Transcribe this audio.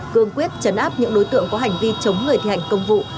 cương quyết chấn áp những đối tượng có hành vi chống người thi hành công vụ